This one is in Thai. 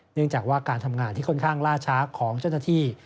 เนื่องจากว่าการทำงานที่ค่อนข้างล่าช้าของเจ้าหน้าที่